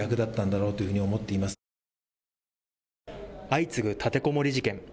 相次ぐたてこもり事件。